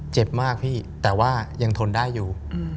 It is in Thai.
เจ็บมากพี่แต่ว่ายังทนได้อยู่